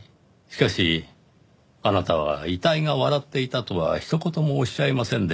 しかしあなたは遺体が笑っていたとはひと言もおっしゃいませんでした。